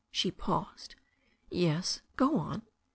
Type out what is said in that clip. She paused. "Yes? Go on."